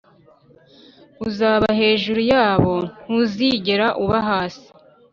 uzaba hejuru yabo, ntuzigera uba hasi.